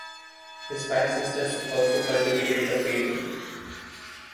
His five sisters also cultivated the painting.